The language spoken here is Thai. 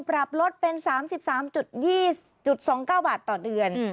ปรับลดเป็น๓๓๒๒๙บาทต่อเดือน